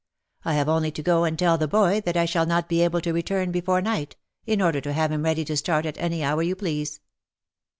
I have only to go and tell the boy that I shall not be able to return before night, in order to have him ready to start at any hour you please."